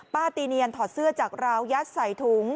ป้าตีเนียนถอดเสื้อจากราวยัดใส่ถุง